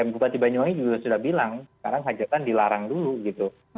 bupati banyuwangi juga sudah bilang sekarang hajatan dilarang dulu gitu